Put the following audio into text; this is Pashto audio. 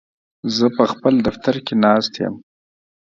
زه په خپل دفتر کې ناست یم.